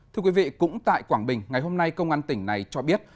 thưa quý vị cũng tại quảng bình ngày hôm nay công an tỉnh này cho biết